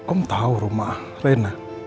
om tau rumah rena